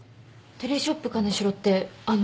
『テレショップ金城』ってあの？